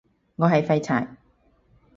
我係廢柴